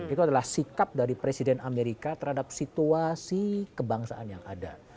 itu adalah sikap dari presiden amerika terhadap situasi kebangsaan yang ada